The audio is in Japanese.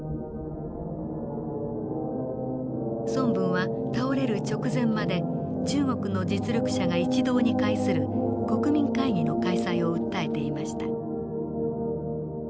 孫文は倒れる直前まで中国の実力者が一堂に会する国民会議の開催を訴えていました。